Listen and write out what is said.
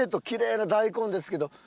きれいな大根ですけど。